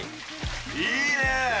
いいね。